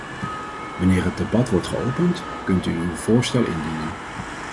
Wanneer het debat wordt geopend, kunt u uw voorstel indienen.